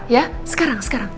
ya sekarang sekarang